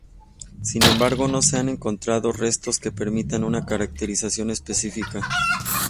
Sin embargo, no se han encontrado restos que permitan una caracterización específica.